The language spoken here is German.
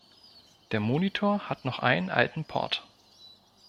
Der Monitor hat noch einen alten Port.